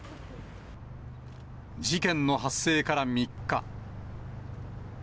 事件の発生から３日。